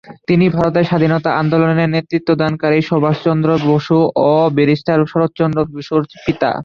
তিনি ভারতের স্বাধীনতা আন্দোলনের নেতৃত্বদানকারী সুভাষচন্দ্র বসু ও ব্যারিস্টার শরৎচন্দ্র বসুর পিতা।